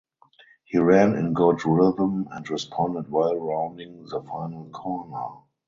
He ran in good rhythm and responded well rounding the final corner.